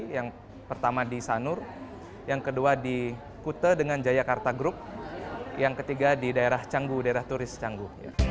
yang pertama di sanur yang kedua di kute dengan jayakarta group yang ketiga di daerah canggu daerah turis canggu